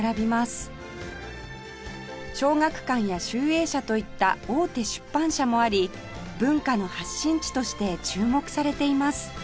小学館や集英社といった大手出版社もあり文化の発信地として注目されています